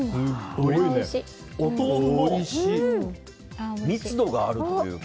お豆腐も密度があるというか。